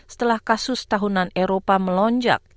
setelah kasus tahunan eropa melonjak